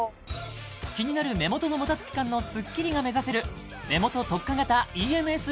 気になる目元のもたつき感のスッキリが目指せる目元特化型ＥＭＳ